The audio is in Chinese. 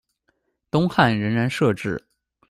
东汉仍然设置。